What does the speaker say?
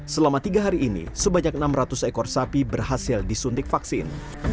selama tiga hari ini sebanyak enam ratus ekor sapi berhasil disuntik vaksin